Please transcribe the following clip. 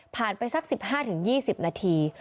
ไปสัก๑๕๒๐นาที